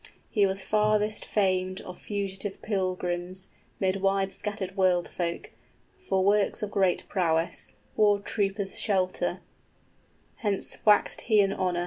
} He was farthest famed of fugitive pilgrims, Mid wide scattered world folk, for works of great prowess, War troopers' shelter: hence waxed he in honor.